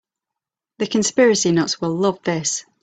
The conspiracy nuts will love this.